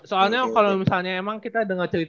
soalnya kalo misalnya emang kita denger cerita ini